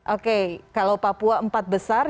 oke kalau papua empat besar